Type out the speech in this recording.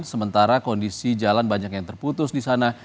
sementara kondisi jalan banyak yang terputus di sana